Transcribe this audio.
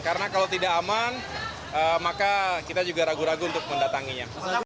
karena kalau tidak aman maka kita juga ragu ragu untuk mendatanginya